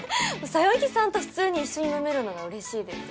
そよぎさんと普通に一緒に飲めるのが嬉しいです。